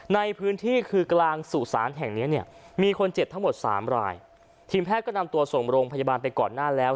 ในพื้นที่คือกลางสุสานแห่งเนี้ยเนี่ยมีคนเจ็บทั้งหมดสามรายทีมแพทย์ก็นำตัวส่งโรงพยาบาลไปก่อนหน้าแล้ว